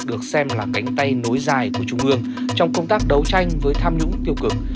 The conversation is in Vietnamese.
được xem là cánh tay nối dài của trung ương trong công tác đấu tranh với tham nhũng tiêu cực